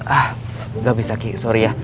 ah gak bisa ki sorry ya